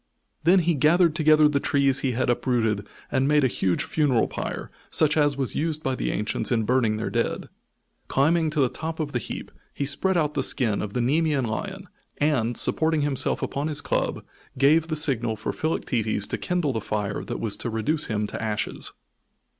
Then he gathered together the trees he had uprooted and made a huge funeral pyre, such as was used by the ancients in burning their dead. Climbing to the top of the heap, he spread out the skin of the Nemean lion, and, supporting himself upon his club, gave the signal for Philoctetes to kindle the fire that was to reduce him to ashes.